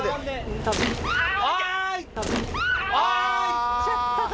行っちゃったか。